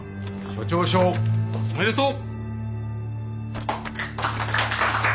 署長賞おめでとう！